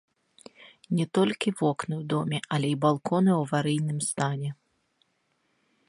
Не толькі вокны ў доме, але і балконы ў аварыйным стане.